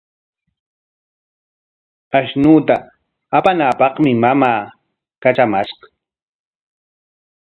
Ashnuta apanaapaqmi mamaa katramashqa.